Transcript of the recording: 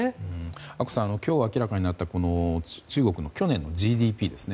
阿古さん今日明らかになった中国の去年のＧＤＰですね。